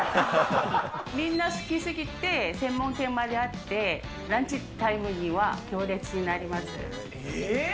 みんな好きすぎて専門店まであって、ランチタイムには行列にえー。